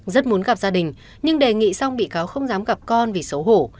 rất muốn gặp gia đình nhưng đề nghị xong bị cáo không dám gặp con vì xấu hổ